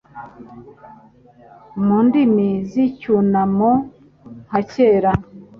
Mu ndimi z'icyunamo nka kera